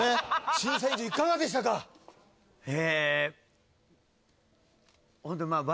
審査委員長いかがでしたかえ